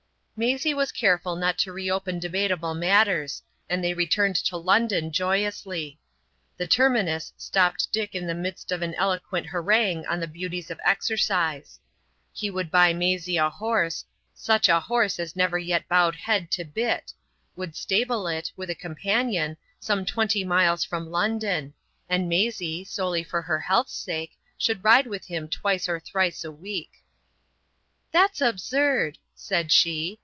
Maisie was careful not to reopen debatable matters, and they returned to London joyously. The terminus stopped Dick in the midst of an eloquent harangue on the beauties of exercise. He would buy Maisie a horse,—such a horse as never yet bowed head to bit,—would stable it, with a companion, some twenty miles from London, and Maisie, solely for her health's sake should ride with him twice or thrice a week. "That's absurd," said she.